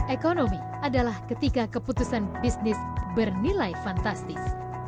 ekonomi adalah ketika keputusan bisnis bernilai fantastis